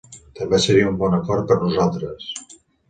També seria un bon acord per nosaltres.